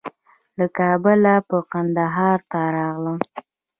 له کابله به کندهار ته راغلم.